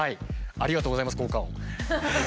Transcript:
ありがとうございます効果音。